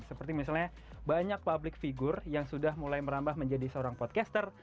seperti misalnya banyak public figure yang sudah mulai merambah menjadi seorang podcaster